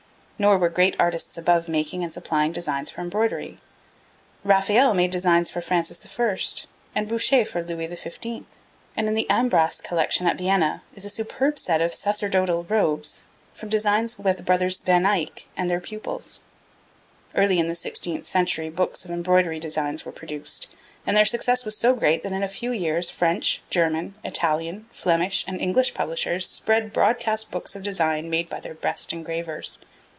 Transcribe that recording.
Nor were great artists above making and supplying designs for embroidery. Raphael made designs for Francis I., and Boucher for Louis XV.; and in the Ambras collection at Vienna is a superb set of sacerdotal robes from designs by the brothers Van Eyck and their pupils. Early in the sixteenth century books of embroidery designs were produced, and their success was so great that in a few years French, German, Italian, Flemish, and English publishers spread broadcast books of design made by their best engravers.